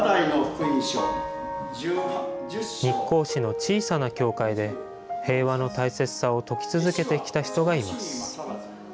日光市の小さな教会で、平和の大切さを説き続けてきた人がいます。